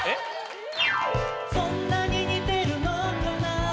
「そんなに似てるのかな」